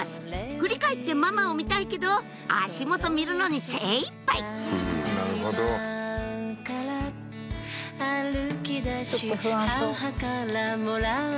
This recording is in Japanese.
振り返ってママを見たいけど足元見るのに精いっぱいちょっと不安そう。